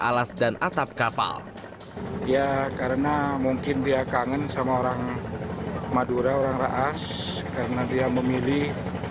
alas dan atap kapal ya karena mungkin dia kangen sama orang madura orang raas karena dia memilih